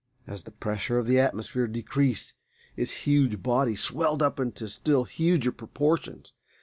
As the pressure of the atmosphere decreased its huge body swelled up into still huger proportions.